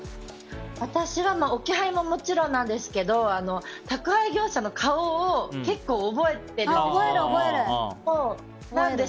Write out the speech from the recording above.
私は置き配ももちろんなんですけど宅配業者の顔を結構覚えてるんですよ。